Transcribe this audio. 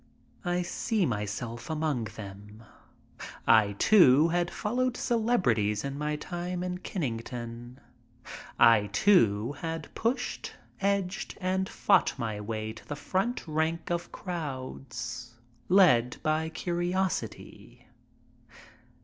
I see myself among them. I, too, had followed celebrities in my time in Kennington. I, too, had pushed, edged, and fought my way to the front rank of crowds, led by curiosity.